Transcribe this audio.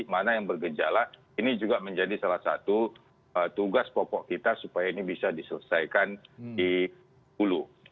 mana yang bergejala ini juga menjadi salah satu tugas pokok kita supaya ini bisa diselesaikan di hulu